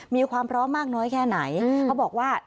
มีความพร้อมมากน้อยแค่ไหนเขาบอกว่า